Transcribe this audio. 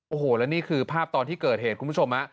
โอ้โหแล้วนี่คือภาพตอนที่เกิดเหตุคุณผู้ชม